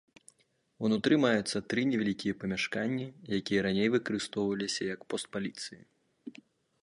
Унутры маюцца тры невялікія памяшканні, якія раней выкарыстоўваліся як пост паліцыі.